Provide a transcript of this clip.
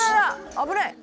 危ない！